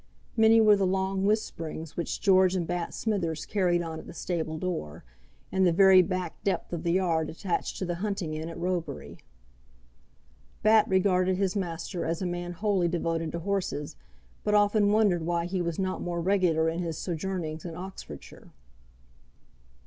Many were the long whisperings which George and Bat Smithers carried on at the stable door, in the very back depth of the yard attached to the hunting inn at Roebury. Bat regarded his master as a man wholly devoted to horses, but often wondered why he was not more regular in his sojournings in Oxfordshire.